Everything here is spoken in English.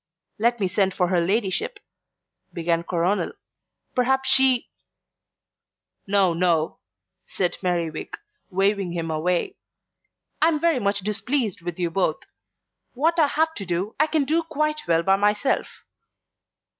"Let me send for her ladyship," began Coronel; "perhaps she " "No, no," said Merriwig, waving them away. "I am very much displeased with you both. What I have to do, I can do quite well by myself."